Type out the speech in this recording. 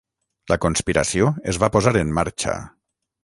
La conspiració es va posar en marxa.